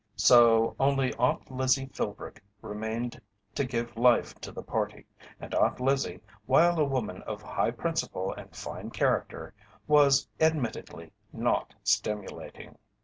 So only Aunt Lizzie Philbrick remained to give life to the party, and Aunt Lizzie, while a woman of high principle and fine character, was, admittedly, not stimulating.